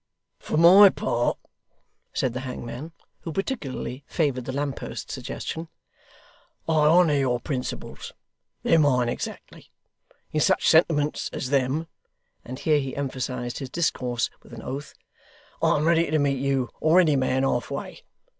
'For my part,' said the hangman, who particularly favoured the lamp post suggestion, 'I honour your principles. They're mine exactly. In such sentiments as them,' and here he emphasised his discourse with an oath, 'I'm ready to meet you or any man halfway.